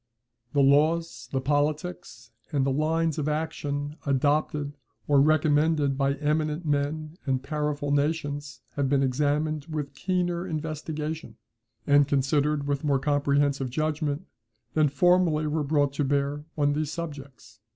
The laws, the politics, and the lines of action adopted or recommended by eminent men and powerful nations have been examined with keener investigation, and considered with more comprehensive judgment, than formerly were brought to bear on these subjects.